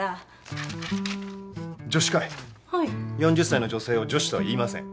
４０歳の女性を女子とは言いません。